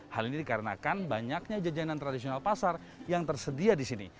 hal ini dikarenakan banyaknya jajanan tradisional pasar yang tersedia di sini